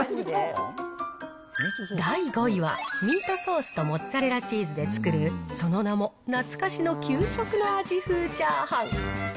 第５位は、ミートソースとモッツァレラチーズで作る、その名も懐かしの給食の味風チャーハン。